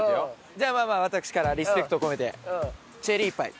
じゃあまあまあ私からリスペクトを込めてチェリーパイ。